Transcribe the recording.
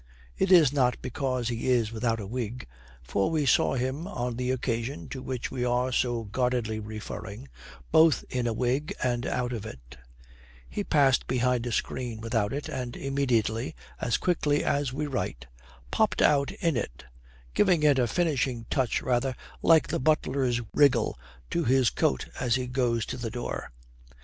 It is not because he is without a wig, for we saw him, on the occasion to which we are so guardedly referring, both in a wig and out of it; he passed behind a screen without it, and immediately (as quickly as we write) popped out in it, giving it a finishing touch rather like the butler's wriggle to his coat as he goes to the door.